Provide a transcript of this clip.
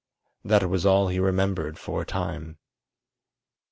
That was all he remembered for a time.